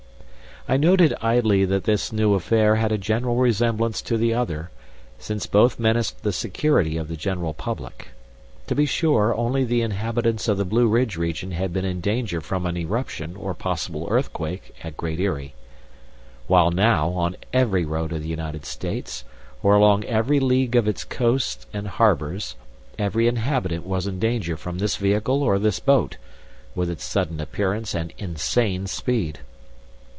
I noted idly that this new affair had a general resemblance to the other, since both menaced the security of the general public. To be sure, only the inhabitants of the Blueridge region had been in danger from an eruption or possible earthquake at Great Eyrie. While now, on every road of the United States, or along every league of its coasts and harbors, every inhabitant was in danger from this vehicle or this boat, with its sudden appearance and insane speed.